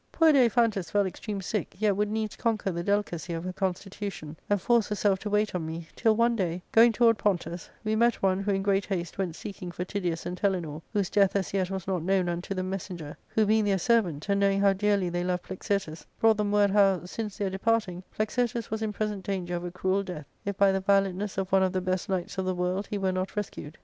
" Poor Daiphantus fell extreme sick, yet would needs conquer the delicacy of her constitution, and force herself to wait on me, till one day, going toward Pontus, we met one who in great haste went seeking for Tydeus and Telenor, whose death as yet was not known unto the messenger, who, being their servant, and knowing how dearly they loved Plexirtus, brought them word how, since their departing, Plexirtus was in present danger of a cruel death, if by the valiantness of one of the best knights of the world he were not rescued.